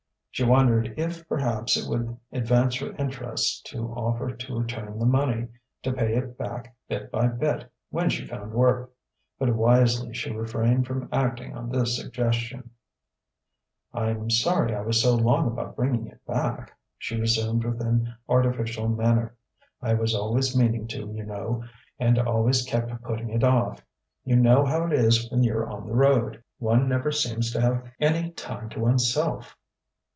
She wondered if perhaps it would advance her interests to offer to return the money, to pay it back bit by bit when she found work. But wisely she refrained from acting on this suggestion. "I'm sorry I was so long about bringing it back," she resumed with an artificial manner. "I was always meaning to, you know, and always kept putting it off. You know how it is when you're on the road: one never seems to have any time to one's self."